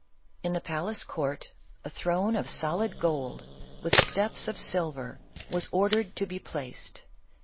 In the palace court, a throne of solid gold, with steps of silver, was ordered to be placed.